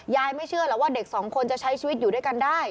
ไม่เชื่อหรอกว่าเด็กสองคนจะใช้ชีวิตอยู่ด้วยกันได้